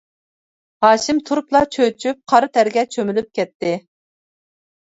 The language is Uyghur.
ھاشىم تۇرۇپلا چۆچۈپ، قارا تەرگە چۆمۈلۈپ كەتتى.